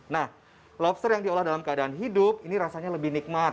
nah lobster yang diolah dalam keadaan hidup ini rasanya lebih nikmat